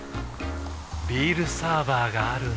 ビールサーバーがある夏。